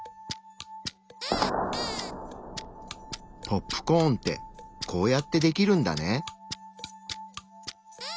ポップコーンってこうやってできるんだね。